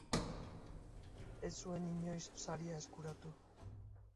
Ez zuen inoiz saria eskuratu.